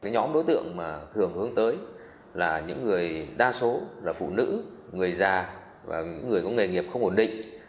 nhóm đối tượng mà thường hướng tới là những người đa số là phụ nữ người già và những người có nghề nghiệp không ổn định